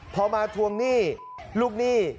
พอมาทวงหนี้ลูกหนี้